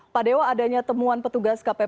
pak dewa adanya temuan petugas kpp